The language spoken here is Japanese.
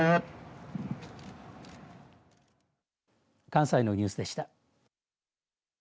関西のニュースでした。